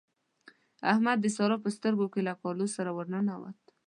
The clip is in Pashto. احمد د سارا په سترګو کې له کالو سره ور ننوت.